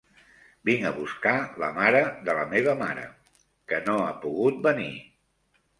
Vinc a buscar la mare de la meva mare, que no ha pogut venir.